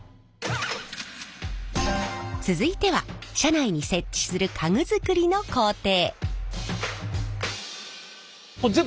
続いては車内に設置する家具作りの工程。